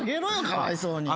かわいそうに。